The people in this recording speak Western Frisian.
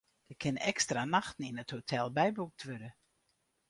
Der kinne ekstra nachten yn it hotel byboekt wurde.